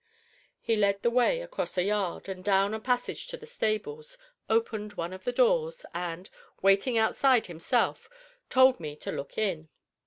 He led the way across a yard and down a passage to the stables, opened one of the doors, and, waiting outside himself, told me to look in.